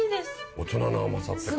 大人の甘さって感じ。